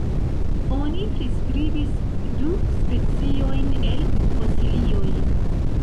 Oni priskribis du speciojn el fosilioj.